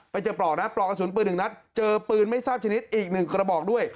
ไปเจอปลอกนะปลอกกระสุนปืนหนึ่งนัดเจอปืนไม่ทราบชนิดอีก๑กระบอกด้วย